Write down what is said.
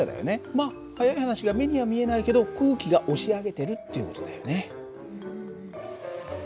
まあ早い話が目には見えないけど空気が押し上げてるっていう事だよね。